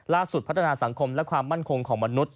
พัฒนาสังคมและความมั่นคงของมนุษย